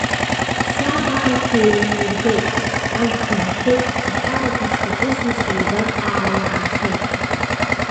Саб араху еилимыргеит, ажәқуа имхьеит, аҳәарақуа шҭакыз, ус еибарҟаауа иаанхеит.